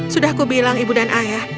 sudah kubilang ibu dan ayah